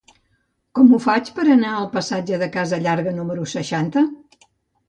Com ho faig per anar al passatge de Casa Llarga número seixanta?